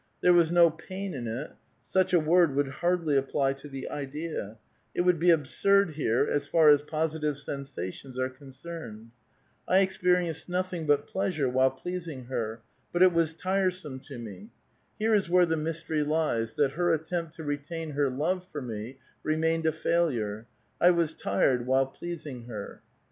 There was no pain in it — such a word would hardly apply to the idea ; it would be absurd here, as far as positive sensations are concerned. I experienced nothing but pleasure while pleasing her, but it was tii*esome to me. Here is where the mystery lies, that her attem])t to retain her love for me remained a failure. I was tired while pleasing her.